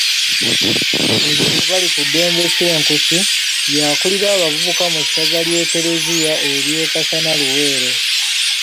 Yozefu Balikuddembe Senkuusi, y'akulira abavubuka mu ssaza ly'eklezia erya Kasana-Luweero.